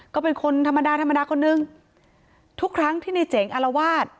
ก็เป็นคนธรรมดาธรรมดาคนนึงทุกครั้งที่ในเจ๋งอารวาส